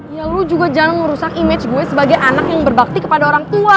ya lu juga jarang merusak image gue sebagai anak yang berbakti kepada orang tua